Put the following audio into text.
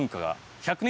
１００年